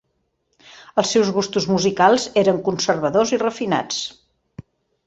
Els seus gustos musicals eren conservadors i refinats.